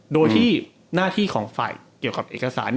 โดยที่หน้าที่ของฝ่ายเกี่ยวกับเอกสาร